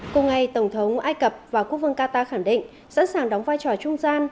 cùng ngày tổng thống ai cập và quốc vương qatar khẳng định sẵn sàng đóng vai trò trung gian